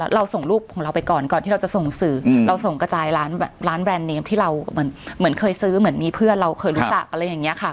เราส่งรูปของเราไปก่อนก่อนที่เราจะส่งสื่อเราส่งกระจายร้านแบบร้านแบรนด์เนมที่เราเหมือนเคยซื้อเหมือนมีเพื่อนเราเคยรู้จักอะไรอย่างนี้ค่ะ